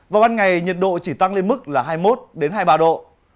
vào ban ngày nhiệt độ chỉ tăng lên mức là hai mươi một hai mươi ba độ